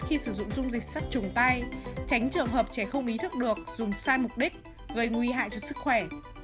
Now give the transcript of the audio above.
khi sử dụng dung dịch sát trùng tay tránh trường hợp trẻ không ý thức được dùng sai mục đích gây nguy hại cho sức khỏe